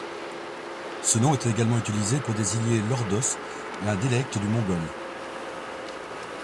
Ce nom est également utilisé pour désigner l'ordos, un dialecte du mongol.